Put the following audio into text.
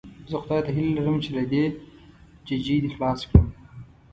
زه خدای ته هیله لرم چې له دې ججې دې خلاص کړم.